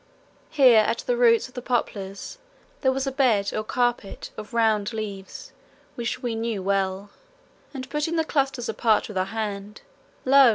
Here at the roots of the poplars there was a bed or carpet of round leaves which we knew well, and putting the clusters apart with our hands, lo!